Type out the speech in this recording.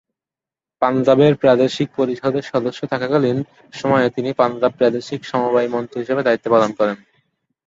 পাঞ্জাবের প্রাদেশিক পরিষদের সদস্য থাকাকালীন সময়ে তিনি পাঞ্জাব প্রাদেশিক সমবায় মন্ত্রী হিসেবে দায়িত্ব পালন করেন।